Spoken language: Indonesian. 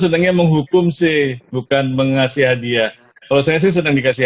setengah menghukum sih bukan mengasih hati hati untuk orang orang yang sudah berusia berusia berusia berusia berusia